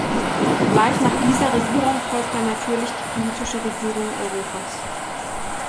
Gleich nach dieser Regierung folgt dann natürlich die politische Regierung Europas.